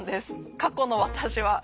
過去の私は。